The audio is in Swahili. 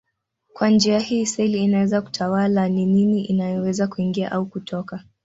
Kwa njia hii seli inaweza kutawala ni nini inayoweza kuingia au kutoka.